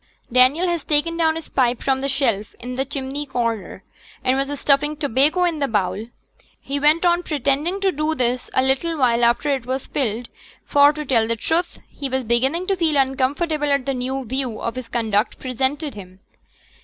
Daniel had taken down his pipe from the shelf in the chimney corner, and was stuffing tobacco into the bowl. He went on pretending to do this a little while after it was filled; for, to tell the truth, he was beginning to feel uncomfortable at the new view of his conduct presented to him.